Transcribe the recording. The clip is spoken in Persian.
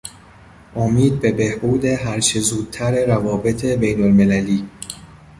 امید به بهبود هر چه زودتر روابط بین المللی